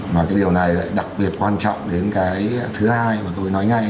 mà cái điều này lại đặc biệt quan trọng đến cái thứ hai mà tôi nói ngay